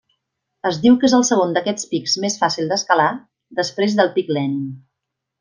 Es diu que és el segon d'aquests pics més fàcil d'escalar, després del Pic Lenin.